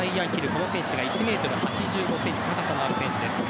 この選手１ｍ８５ｃｍ高さのある選手。